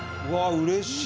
うれしい！